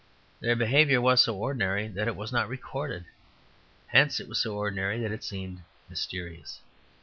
Their behaviour was so ordinary that it was not recorded; hence it was so ordinary that it seemed mysterious.